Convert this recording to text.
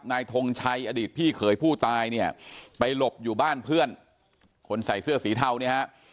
ทงชัยอดีตพี่เขยผู้ตายเนี่ยไปหลบอยู่บ้านเพื่อนคนใส่เสื้อสีเทาเนี่ยฮะ